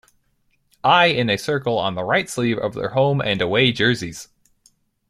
I' in a circle on the right sleeve of their home and away jerseys.